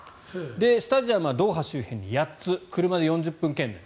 スタジアムはドーハ周辺に８つ車で４０分圏内。